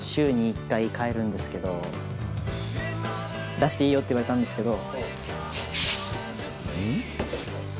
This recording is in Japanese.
出していいよって言われたんですけど。